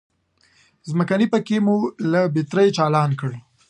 ځمکنی پکی مو له بترۍ چالان کړ.